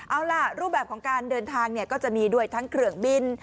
เอาล่ะรูปแบบของการเดินทางก็จะมีด้วยทั้งเครื่องบิน